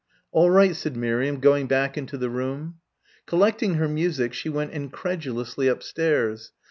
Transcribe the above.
"All right," said Miriam, going back into the room. Collecting her music she went incredulously upstairs.